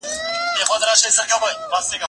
زه به تمرين کړي وي؟!